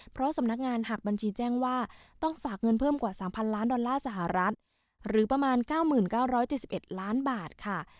เพราะสำนักงานหักบัญชีแจ้งว่าต้องฝากเงินเพิ่มกว่า๓๐๐ล้านดอลลาร์สหรัฐหรือประมาณ๙๙๗๑ล้านบาทค่ะ